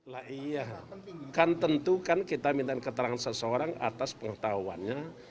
lah iya kan tentu kan kita minta keterangan seseorang atas pengetahuannya